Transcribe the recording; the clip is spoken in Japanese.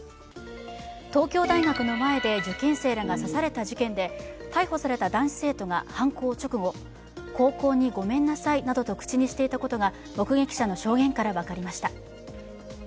東京大学の前で受験生らが刺された事件で逮捕された男子生徒が犯行直後高校にごめんなさいなどと口にしていたことが目撃者の証言から分かりました。